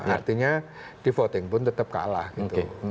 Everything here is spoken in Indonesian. artinya di voting pun tetap kalah gitu